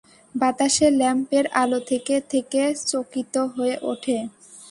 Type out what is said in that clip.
বাতাসে ল্যাম্পের আলো থেকে থেকে চকিত হয়ে ওঠে।